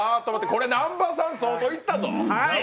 これ、南波さん、相当いったぞ？